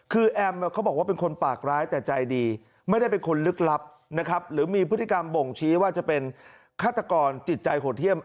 คือแอมเขาบอกว่าเป็นคนปากร้ายแต่ใจดีไม่ได้เป็นคนลึกลับนะครับหรือมีพฤติกรรมบ่งชี้ว่าจะเป็นฆาตกรจิตใจโหดเยี่ยม